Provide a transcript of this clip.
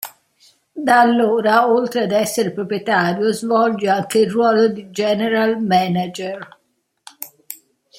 Da allora, oltre ad essere il proprietario, svolge anche il ruolo di general manager.